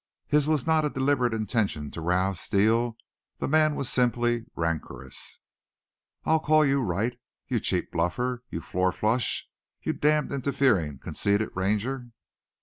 His was not a deliberate intention to rouse Steele; the man was simply rancorous. "I'll call you right, you cheap bluffer! You four flush! You damned interfering conceited Ranger!"